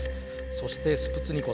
そしてスプツニ子！